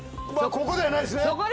まぁここではないですね